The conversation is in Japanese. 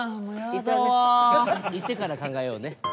一回ね行ってから考えようね。